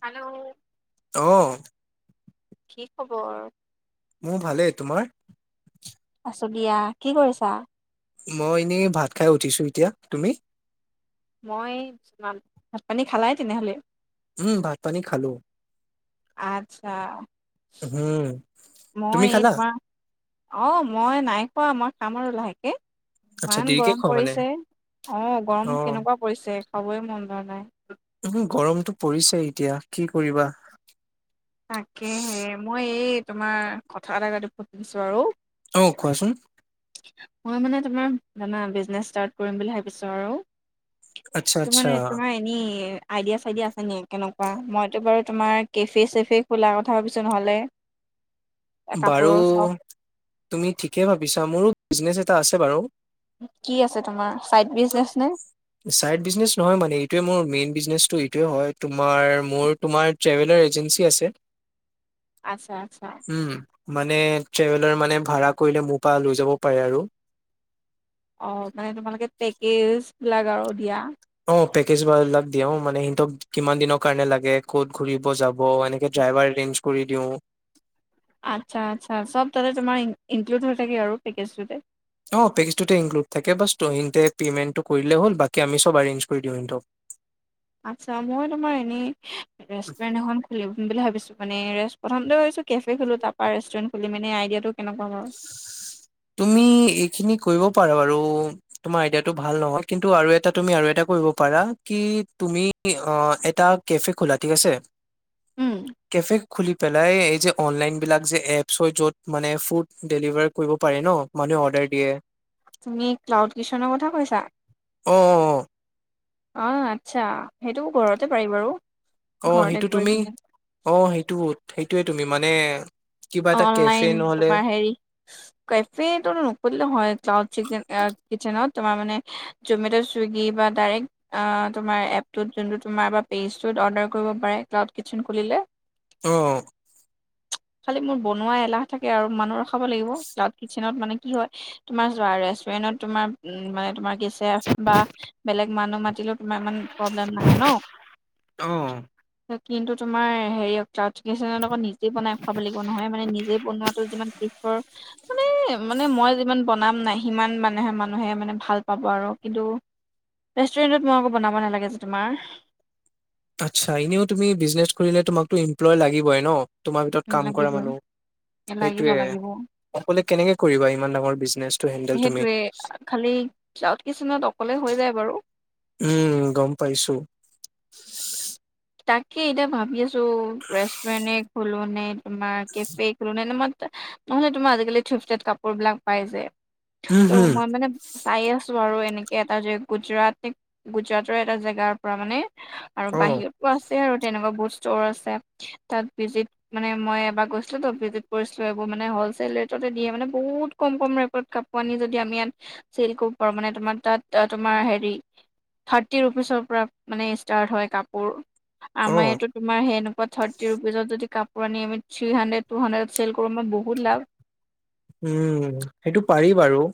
Hello অ', কি খবৰ মোৰ ভালেই তোমাৰ আছো দিয়া কি কৰিছা মই এনেই ভাত খাই উঠিছো এতিয়া তুমি মই মানে ভাত পানী খালাই তেনেহলে উম ভাত পানী খালো আচ্ছা উম, তুমি মই এই খালা? তোমাৰ অ মই নাই খোৱা আমাৰ কাম আৰু লাহেকে আচ্ছা ইমান দেৰিকে গৰম খোৱা মানে, পৰিছে অ গৰম অ'। কেনেকুৱা পৰিছে খাবই মন যোৱা নাই উ গৰমতটো পৰিছে এতিয়া কি কৰিবা তাকেহে মই এই তোমাৰ কথা এটা গাঁতত পুতি দিছো আৰু অকোৱাচোন মই মানে তোমাৰ মানে বিজনেচ ষ্টাৰট কৰিম বুলি ভাবিছো আৰু আচ্ছা তো আচ্ছা, মানে তোমাৰ এনেই আইডিয়া চাইডিয়া আছে নে কেনেকুৱা মইতো বাৰু তোমাৰ কেফে চে ফে খোলা কথা ভাবিছো নহ'লে বাৰু কাপোৰৰ চব তুমি ঠিকে ভাবিছা মোৰো বিজনেছ এটা আছে বাৰু কি আছে তোমাৰ চাইড বিজনেচ নে? চাইড বিজনেচ নহয় মানে এইটোয়ে মোৰ মেইন বিজনেচটো সেইটো হয় তোমাৰ মোৰ তোমাৰ ট্ৰেভেলাৰ এজেঞ্চি আছে আচ্ছা আচ্ছা উম মানে ট্ৰেভেলাৰ মানে ভাড়া কৰিলে মোৰ পৰা লৈ যাব পাৰে আৰু অ মানে তোমালোকে পেকেজ বিলাক আৰু দিয়া অ পেকেজ বাৰু অলপ দিও মানে সিহঁতক কিমান দিনৰ কাৰণ লাগে ক'ত ঘুৰিব যাব এনেকৈ ড্ৰাইভাৰ এৰেঞ্জ কৰি দিও আচছা আচছা চব তাতে তোমাৰ ইনক্লুড হৈ থাকে আৰু পেকেজটোতে অঁ পেকেজটোতে ইনক্লুড থাকে বছ সিহঁতে পে'মেণ্টটো কৰিলেই হ'ল বাকী আমি চব এৰেঞ্জ কৰি দিওঁ সিহতক আচ্ছা মই তোমাৰ এনেই ৰেষ্টুৰেণ্ট এখন খুলিম বুলি ভাবিছো মানে ৰেষ্ট প্ৰথমতে ভাবিছো কেফে খোলো তাৰ পৰা ৰেষ্টুৰেণ্ট খুলিম এনেই আইডিয়াটো কেনেকুৱা বাৰু? তুমি এইখিনি কৰিব পাৰা বাৰু তোমাৰ আইডিয়াটো ভাল নহয়, কিন্তু আৰু এটা তুমি আৰু এটা কৰিব পাৰা কি তুমি অঁ এটা কেফে খোলা ঠিক আছে। উম কেফে খুলি পেলাই এই যে অনলাইন বিলাক যে এপছ হয় য'ত মানে ফুড ডেলিভাৰ কৰিব পাৰি ন মানুহে অৰ্ডাৰ দিয়ে তুমি ক্লাউড কিটচেনৰ কথা কৈছা? অ অঁ আচ্ছা, সেইটো ঘৰতে পাৰি বাৰু। অঁ ঘৰতে সেইটো কৰি তুমি পিনে অঁ সেইটোত। সেইটোৱে তুমি মানে কিবা এটা কেফে অনলাইন নহলে তোমাৰ হেৰি কেফেটো নুখুলিলেও হয় ক্লাউড চিকন অ কিচেনত। তোমাৰ মানে জমেটো চুইগি পৰা দাইৰেক্ট অ তোমাৰ এপটো তোমাৰ যোনটো তোমাৰ বা পেজটো অৰ্ডাৰ কৰিব পাৰে ক্লাউড কিছন খুলিলে। অঁ। খালি মোৰ বনোৱা এলাহ থাকে আৰু মানুহ ৰখাব লাগিব, ক্লাউড কিচেনত মানে কি হয়? তোমাৰ চোৱা ৰেষ্টুৰেণ্টত তোমাৰ উম মানে তোমাৰ গেছ ছেফ বা বেলেগ মানুহ মাতিলো তোমাৰ ইমান প্ৰব্লেম নাহে ন। অ কিন্তু তোমাৰ হেৰি চাবছকিচনত আকৌ নিজে বনায়। থাকিব নহয় মানে নিজে বনোৱাতো যিমান বিফল মানে মই মানে যিমান ব বনাম নাই সিমান মানুহে মানুহে মানে ভাল পাব আৰু কিন্তু ৰেষ্টুৰেণ্টত মই আকৌ বনাব নালাগে যে তোমাৰ আচ্ছা, এনেও তুমি ব্ৰিজনেছ কৰিলে তোমাকতো এমপ্লয় লাগিবই ন তোমাৰ ভিতৰত কাম কৰা লাগিবই মানুহ, লাগিব সেইটোয়ে লাগিব অকলে কেনেকে কৰিবা ইমান ডাঙৰ ব্ৰিজনেচ সেইটোৱে খালি ক্লাঊদ কিচিনত অকলে হৈ যায় বাৰু। উম, গ'ম পাইছোঁ। তাকে এতিয়া ভাবি আছোঁ, ৰেষ্টুৰেণ্টে খোলোনে তোমাৰ কেফে খোলোনে তোমাৰ নহ'লে মই তোমাৰ আজিকালি থিফতত কাপোৰ বিলাক পাই যে উম তোৰ হম মই মানে চাই আছোঁ আৰু এনেকে এটা যে গুজৰাট গুজৰাটৰ এটা জেগাৰ পৰা মানে আৰু অ বাহিৰত আছে আৰু তেনেকুৱা বহুত ষ্টৰ আছে। তাত ভিজিট মানে মই এবাৰ গৈছিলোঁ তোৰ ভিজিট কৰিছিলোঁ এইবোৰ মানে হ'ল চেল ৰেটতে দিয়ে মানে বহুত কম কম ৰেটত কাপোৰ আনি যদি আমি ইয়াত চেল কৰিব পাৰোঁ মানে তোমাৰ তাত তোমাৰ হেৰি থ্ৰাৰ্টি ৰুপিচৰ পৰা মানে ষ্টাৰ্ট হয় কাপোৰ। অ আমাৰ ইয়াতো তোমাৰ সেনে থ্ৰাৰ্টি ৰুপিজত যদি কাপোৰ আনি আমি three hundred, two hundred cell কৰোঁ আমাৰ বহুত লাভ। উম, সেইটো পাৰি বাৰু।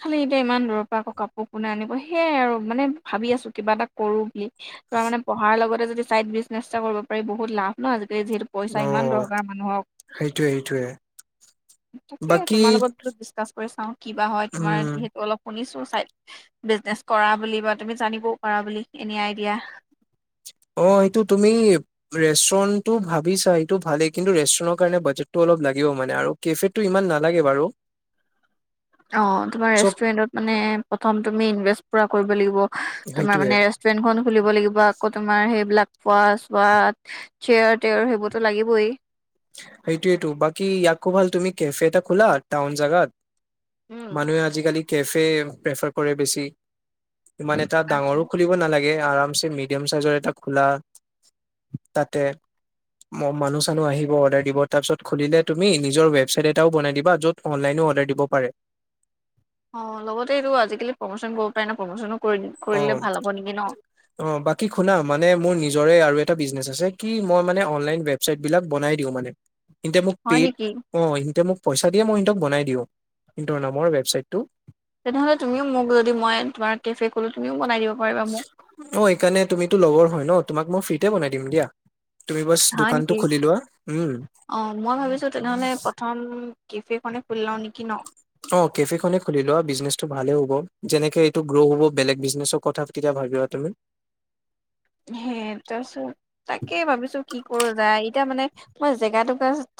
খালি এতিয়া ইমান দূৰৰ পৰা আকৌ কাপোৰ কোনে আনিব সেয়াই আৰু মানে ভাবি আছো কিবা এটা কৰো বুলি তোাৰ মানে পঢ়াৰ লগতে যদি চাইদ বিজনেছ এটা কৰিব পাৰি বহুত লাভ নজ যিহেতু পইচা অ ইমান দৰকাৰ মানুহক সেইটোয়ে সেইটোয়ে তাকে বাকী তোমাৰ লগত বলো ডিচকাছ গৈচাও কিবা হ'ব তোমাৰ উম যিহেতু অল শুনিছো নে কৰা বুলি বা তুমি জানিবও কৰা বুলি এনে আই দিয়া অ সটো তুমি ৰেষ্টুৰেটটো ভাবিছা সটো ভালেই কিন্তু ৰেষ্টুৰেণ্টৰ কাৰণে বাজেটটো অলপ লাগিব মানে আৰু কেফেটো ইমান নালাগে বাৰু অ তোমাৰ চব ৰেুৰেন্ট মান প্ৰথম তুমি ইনবেচট কৰিব লাগিব তোমাৰ সেইটোয়ে মানে ৰেষ্টুৰেন্ট খন খুলিব লাগিব আকৌ তোমাৰ সেইবিলাক বহাত চুবাত চেয়াৰ টেয়াৰ সেইবোৰতো লাগিবই সেইটো এইটো বাকী ইয়াকো ভাল তুমি কেফেটা খোলা টাউন জোগাত উম, মানুহে আজিকালি কেফে প্ৰেফাৰ কৰে বেছি ইমান এটা আচ্ছা। ডাঙৰো খুলিব নালাগে আৰাম মিডিয়াম চাইজৰ এটা খোলা তাতে মানুহ চানুহ আহিব তু নিজৰ ব এ বনাই দিবা য'ত অনলাইন অৰ্ডাৰৰ দিব পাৰে অ লগতে এইটো আজিকালি প্ৰমোচন কৰিব পাৰে না প্ৰমোচনো কৰি অ কৰিলে ভাল হ'ব নেকি ন অ বাকী শুনা মানে মোৰ নিজৰে আৰু এ বিজনে আছে কি মই মানে অনলাইন ৱেবচাইট বিলাক বনাই দিওঁ মানে এতিয়া মোক হয় পেট নেকি অ এতে মোক পইচা দিয়ে মই সহতক বনাই দিওঁ ইিহঁৰ নামৰ ৱেবচাইটটো তেনেহ'লে তুমিও মোক যদি মই তোমাৰ কেফে গলে তুমিও বনাই দিব পাৰিবা মোক অ সকাৰণে তুমিতো লগৰ হয় ন তোমাক মই ফ্ৰীতে বনাই দিম দিয়া তুমি বাছ হয় দোকানটো নেকি খুলি লোৱা উম অ মই ভাবিছো তেনেহলে প্ৰথম কেফে কনে খুললাও নি অ কেফে খনে খুলি লোৱা বিজনেচটো ভালে হ'ব যেনেকে এইটো গ্ৰ' হ'ব বেলেগ বিজনেছৰ কথা কেতিয়া ভাবিবা তুমি সে তাৰিছত তাকে ভাবিছো কি কৰো যা এতিয়া মানে মই জেগা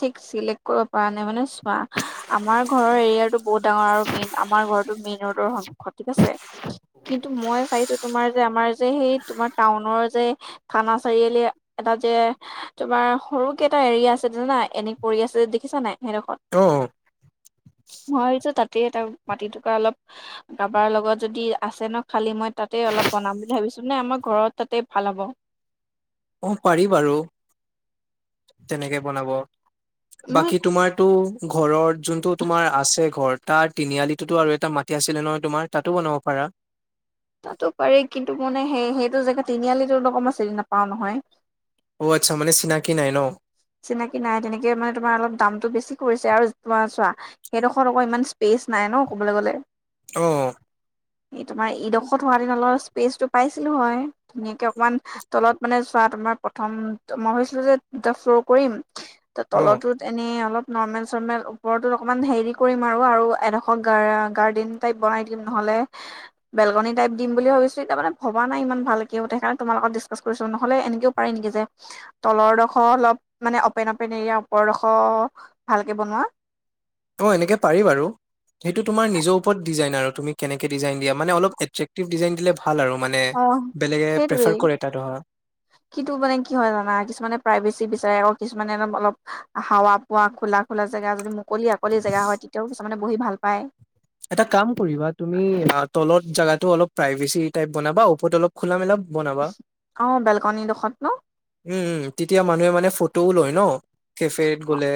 ঠিক চিলেক্ট কৰিব পৰা নাই মানে চোৱা আমাৰ ঘৰৰ এৰিয়াতো বহুত ডাঙৰ আৰু মেইন আমাৰ ঘো মেইন ৰোডৰ সংখ্য ঠিক আছে কিন্তু মই চাইছো তোমাৰ যে আমাৰ যে সেই টাউনৰ যে থানা চাৰিআলি এটা যে তোমাৰ সৰুকে এটা এৰিয়া আছে জানাই এনে পৰি আছে দেখিছা নাই সেইদখ তো মই তাতে তাক মাটি থকা অলপ কাৰবাৰ লগত যদি আছে ন খালী মই তাতে অলপ বনাম বুলি ভাবিছো মানে আমাৰ ঘৰত তাতে ভাল হ'ব অ পাৰি বাৰু তেনেকে বনাব মই বাকী তোমাৰটো ঘৰ যোনটো তোমাৰ আছে ঘৰত তাৰ তিনিআলিটোতো আৰু এটা মাটি আছিলে নহয় তোমাৰ তাতো বনাব পাৰা তাতো পাৰি কিন্তু মানে সেইটো জেগা তিনিআলি তেওঁলোক মই চিনি নাপাও নহয় অ আচ্ছা মানে চিনাকি নাই ন চিনাকি নাই তেনেকে মানে তোমাৰ অলপ দামটো বেছি কৰিছে আৰু তোমাৰ চোৱা সেইদোখৰ কৌ ইমান পেচ নাই ন ক'বলৈ গ'লে অ এই তোমাৰ ইঈডোখৰত হোৱা দিন অলপ স্পেচটো পাইছিলো হয় ধুনীয়াকে অকমান তলত মানে চোৱা তোমাৰ প্ৰথম মই ভাছিলো যে দুটা ফ্ল' কৰিম তাত অ তলতো এনেই অলপ নৰ্মেল চৰ্মেল ওপৰতো অলপমান হেৰি কৰিম আৰু এডোখৰ গাৰৰ্ডেন টাইপ বনাই দিম নহলে বেলকনী টাইপ দিম বুলি ভাবিছোতিাৰ মানে ভবা নাই ইমান ভালক সেইকাৰণে তোমালত ডিছকাচ কৰিছো নহলে এনেকেও পাৰে নেকি যে তলৰডখৰ অলপ মানে অপেন অপেন এৰিয়া ওপৰডোখৰ ভালকে বনোৱা অ এনেকে পাৰি বাৰু সেইটো তোমাৰ নিজৰ ওপৰত ডিজাইন আৰু তুমি কেকে ডিাইন দা মান অল এট্ৰটিভ ডিাইন দেলে অ সেইটোৱেই কৰে এটা ধৰা কিন্তু মানে কি হয় জানা কিছুমানে প্ৰাইভেচিলী বিচাৰে আকৌ কিছুমান মানে অ অলপ হাৱা পোৱা খোলা খোলা জেগা যদি মুকলি অকলি জেগা হয় তেতিয়াও কিছমানে বহি ভাল পায় এটা কাম কৰিবা তুমি তলত জাগাটো অল প্ৰভেচি বনাবা ওপৰত অলপ খোলা মেলা বনাবা অ বেলকনি ডোখৰত ন উম উম তেতিয়া মানুহে মানে ফু তো ৰ লৈ ন কেফে গলে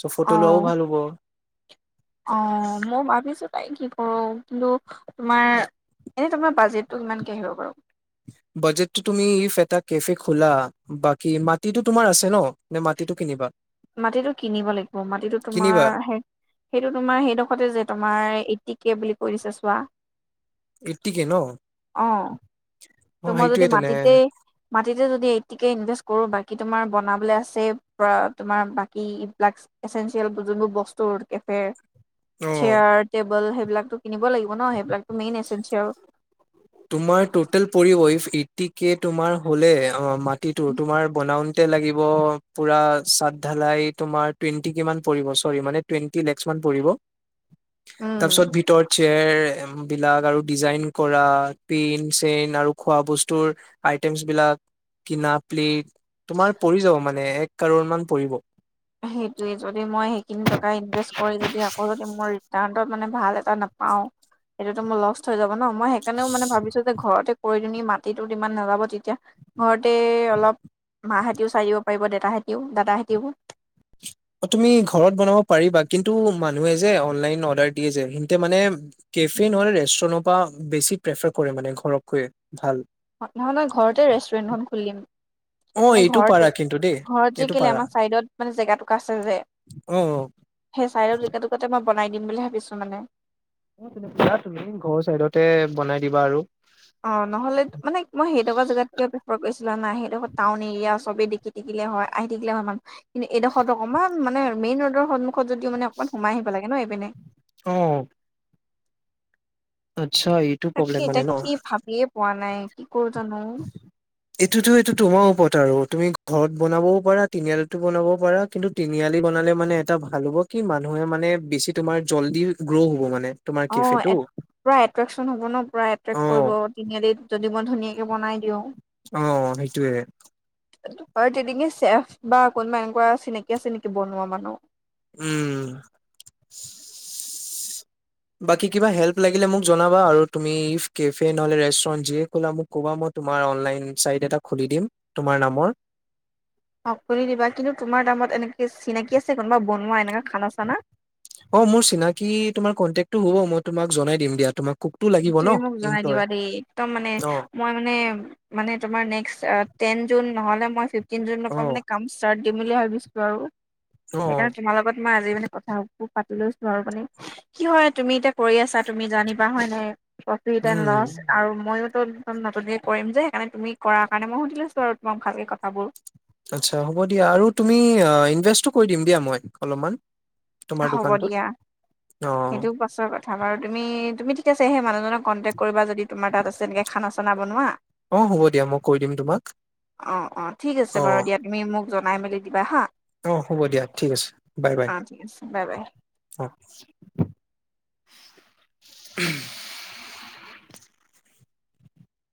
চ অ ফটো হ'লেও ভাল হ'ব অ মই ভাবিছো তাই কি কৰো কিন্তু তোমাৰ এনে তোমাৰ বাজেটটো কিমান আহিব বাৰু বাজেটটো তুমি ইফ এটা কেফে খোলা বাকী মাটিটো তোমাৰ আছে ন নে মাটিতটো কিনিবা মাটিটো কিনিব লাগিব মাটিটো তোমাৰ কিনিবা স সেইটো তোমাৰ সেইডোখৰতে যে তোমাৰ এটি কে বুলি কৰিছে ছোৱা ইটিকে ন অ তহ মই যদি সেইটোৱে তেনে মাটিতে মাটিতে যদি এটিকে জেষ্ট কৰোঁ বাকী তোমাৰ বনাবলৈ আছে তোমাৰ বাকী এইবিলাক এচেঞ্চিয়েল যোনবোৰ বস্তুৰ কেফেৰ অ চেয়াৰ-টেবুল হ'ল সেই বিলাকটো কিনিব লাগিব ন মেন এচেপচন তোমাৰ তোতেল পৰিব এফ এটিকে তোমাৰ হ'লে অহ মা টিটো তোমাৰ বনাওন এতিয়া লাগিব পোৰা চাটধালাই তোমাৰ টুৱেন্টি কিমান পৰিব চৰি মানে টুৱেন্টি লেখচ মান পৰিব। তাৰ উম পিছত ভিতৰত চেয়ৰ বিলাক আৰু ডিজাইন কৰা পেন চেইন আৰু খোৱা বস্তুৰ আইটেমছ বিলাক কিনা প্লেট তোমাৰ পৰি যাব মানে মানে এক কাৰৰ মান পৰিব। সেইটোৱে যদি মই সেইখিনি টকা ইনভেষ্ট কৰি যদি আকৌ যদি মই মই তাহাঁতক মানে ভাল এটা নাপাওঁ তেতিয়াটো মোৰ লচ হৈ যাব। ন মই সেইকাৰণেও মানে ভাবিছো যে ঘৰতে কৰি তুমি মাটিতো ইমান নলব তেতিয়া ঘৰতে অলপ মাহাতিও চাই দিব পাৰিব দেতাহতিও দাদাহতিও অহ তুমি ঘৰত বনাব পাৰিবা কিন্তু মানুহে যে অনলাইন অৰ্ডাৰ দিয়ে যে হিনতে মানে কেফে নহ'লে ৰেষ্টুৰেন্টৰ পৰা বেছি প্ৰেফাৰ কৰে মানে ঘৰতকৈয়ে ভাল। নহয় নহয় ঘৰতে ৰেষ্টুৰেণ্টখন খুলিম। অ মানে এইটো পাৰা ঘৰতে, কিন্তু দেই ঘৰত যে এইটো কেলে পাৰা আমাৰ চাইডত মানে জেগা টুকুৰা আছে যে অ সেই চাইডৰ জেগা টুকুৰাতে মই বনাই দিম বুলি ভাবিছো মানে অহ অহ তুমি ঘৰৰ চাইডতে বনাই দিবা আৰু অহ নহ'লে মানে মই সেইটুকুৰা জেগাত কিয় প্ৰেফাৰ কৰিছো জানা সেইডোখৰ টাউন এৰিয়া চবে দেখি থাকিলে হয়, আহি থাকিলে হয় মানুহ কি এইডোখৰৰত অকমান মানে মেইন ৰোডৰ সন্মুখত যদিও মানে অকমান সোমাই আহিব লাগে ন এইপিনে। অহ এইটো তাকে প্ৰব্লেম মানে এতিয়া ন কি ভাবিয়ে পোৱা নাই [unintelligible] এইটোতো এইটো তোমাৰ ওপৰত কথা আৰু তুমি ঘৰত বনাবও পাৰা তিনিআলিতো বনাবও পাৰা কিন্তু তিনিআলি বনালে মানে এটা ভাল হ'ব কি মানুহে মানে বেছি তোমাৰ জল্দি গ্ৰ' হব মানে। তোমাৰ অ কেফেটো পুৰা এট্ৰেকচন হব ন পুৰা অ এট্ৰেক্ট কৰিব তিনিআলিত যদি মই ধুনীয়াকে বনাই দিওঁ অহ সেইটোৱে অহ তেনেকে চেফ বা কোনোবা এনেকুৱা চিনাকি আছে নেকি বনোৱা মানুহ উম বাকী কিবা হেল্প লাগিলে মোক জনাবা আৰু তুমি ইফ কেফে নহলে ৰেষ্টুৰেণ্ট যিয়ে ক'লা মোক ক'বা মই তোমাৰ অনলাইন চাইট এটা খুলি দিম তোমাৰ নামৰ। অহ খুলি দিবা কিন্তু তোমাৰ দামত এনেকে চিনাকি আছে কোনোবা বনোৱা এনেকা খানা চানা অহ মোৰ চিনাকি তোমাৰ কন্টেক ত হ'ব মই তোমাক জনাই দিম দিয়া তোমাক কুকটো লাগিব ন তুমি মোক জনাই এমপ্লয় দিবা দেই একদম অ' মই মানে তোমাৰ নেক্সট তেন জুন নহলে ফিফটিন জুন পৰা অ' কাম দিম বুলি ভাবিছো আৰু অ' সেইকাৰণে তোমা লগত ই আজি মানে কথাবোৰ পাতি লৈছো আৰু মানে কি হয় তুমি এতিয়া কৰি আছা তুমি জানিবা হয় নাই প্ৰফিট এণ্ড উম লচ আৰু মইয়ো তম নতুনকে কৰিম যে সেইকাৰণে তুমি কৰাৰ কাৰণে মই সুধি লৈছো আৰু তোমাক ভালকে কথাবোৰ আচ্ছা হ'ব দিয়া আৰু তুমি ইনভেষ্টটো কৰি দিম দিয়া মই অলপমান তোমাৰ হ'ব দোকানটোত দিয়া অ' সেইটোও পাছৰ কথা বাৰু তুমি তুমি আছে সে মানুহজনক কন্টেক্ কৰিবা যদি তোমাৰ তাত আছে এনেকে খানা চানা বনোৱা অঁ হ'ব দিয়া মই কৈ দিম তোমাক অ অ ঠিক আছে অ বাৰু দিয়া তুমি মোক জনাই মেলি দিবা হা অঁ হ'ব দিয়া ঠিক আছে বাই বাই অ ঠিক আছে বাই বাই অ উম